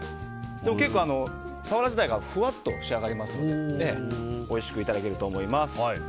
結構サワラ自体がふわっと仕上がりますのでおいしくいただけると思います。